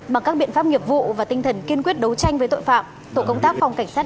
bằng các biện pháp nghiệp vụ và tinh thần kiên quyết đấu tranh với tội phạm tổ công tác phòng cảnh sát